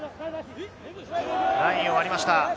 ラインを割りました。